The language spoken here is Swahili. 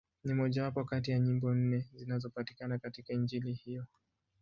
Ni mmojawapo kati ya nyimbo nne zinazopatikana katika Injili hiyo.